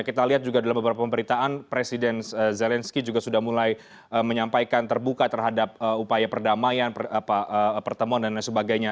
kita lihat juga dalam beberapa pemberitaan presiden zelensky juga sudah mulai menyampaikan terbuka terhadap upaya perdamaian pertemuan dan lain sebagainya